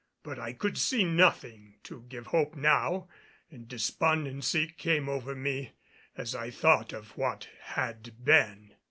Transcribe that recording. But I could see nothing to give hope now, and despondency came over me as I thought of what had been.